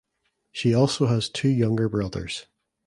She also has two younger brothers.